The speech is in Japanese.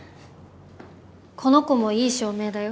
この子もいい照明だよ。